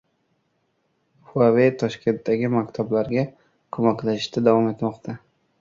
Huawei Toshkentdagi maktablarga ko‘maklashishda davom etmoqda